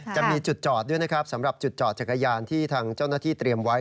จะมีจุดจอดด้วยนะครับสำหรับจุดจอดจักรยานที่ทางเจ้าหน้าที่เตรียมไว้